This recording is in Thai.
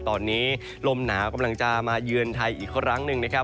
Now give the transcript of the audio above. ตอนนี้ลมหนาวกำลังจะมาเยือนไทยอีกครั้งหนึ่งนะครับ